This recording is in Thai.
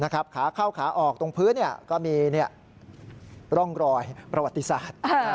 ขาเข้าขาออกตรงพื้นก็มีร่องรอยประวัติศาสตร์